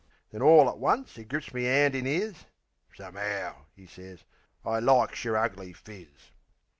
Then orl at once 'e grips me 'and in 'is: "Some'ow," 'e sez, "I likes yer ugly phiz."